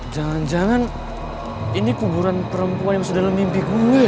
jangan jangan ini kuburan perempuan yang sedalam mimpi gue